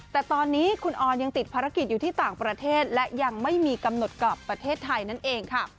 แต่ตอนนี้คุณออนยังติดภารกิจอยู่ที่ต่างประเทศและยังไม่มีกำหนดกลับประเทศไทยนั่นเองค่ะ